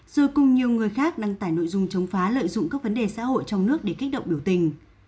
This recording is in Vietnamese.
rồi cùng nhiều người khác đăng tải nội dung chống phá lợi dụng các vấn đề xã hội trong nước để kích động biểu tình